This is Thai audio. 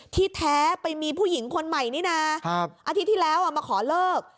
ที่แท้ไปมีผู้หญิงคนใหม่นี่นะอาทิตย์ที่แล้วมาขอเลิก